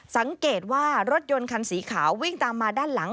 สังเกตว่ารถยนต์คันสีขาววิ่งตามมาด้านหลัง